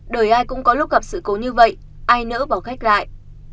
đời ai cũng có lúc gặp sự cố như vậy ai nỡ bỏ khách lại